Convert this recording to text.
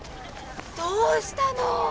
どうしたの？